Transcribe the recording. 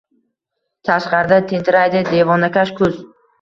Tashqarida tentiraydi devonavash kuz